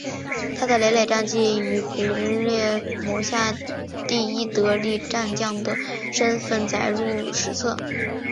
他的累累战绩以腓特烈麾下第一得力战将的身份载入史册。